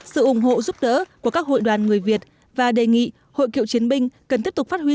sự ủng hộ giúp đỡ của các hội đoàn người việt và đề nghị hội cựu chiến binh cần tiếp tục phát huy